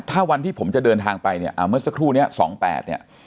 ถ้าวันที่ผมจะเดินทางไปเนี่ยเมื่อสักครู่นี้๒๘เนี่ย